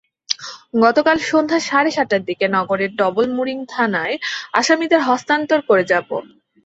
গতকাল সন্ধ্যা সাড়ে সাতটার দিকে নগরের ডবলমুরিং থানায় আসামিদের হস্তান্তর করে র্যাব।